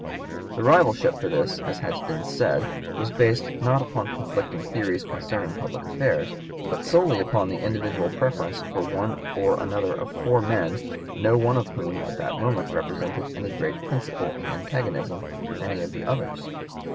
The rivalship for this, as has been said, was based not upon conflicting theories concerning public affairs, but solely upon individual preference for one or another of four men no one of whom at that moment represented any great principle in antagonism to any of the others.